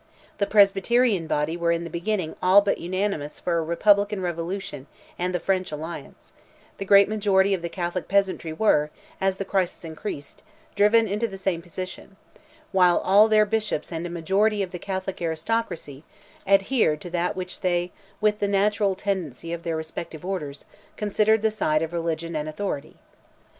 The Presbyterian body were in the beginning all but unanimous for a republican revolution and the French alliance; the great majority of the Catholic peasantry were, as the crisis increased, driven into the same position, while all their bishops and a majority of the Catholic aristocracy, adhered to that which they, with the natural tendency of their respective orders, considered the side of religion and authority.